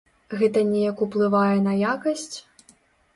Гэта неяк уплывае на якасць?